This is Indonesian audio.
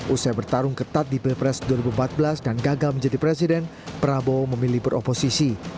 usai bertarung ketat di pilpres dua ribu empat belas dan gagal menjadi presiden prabowo memilih beroposisi